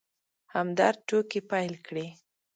همدرد ټوکې پيل کړې.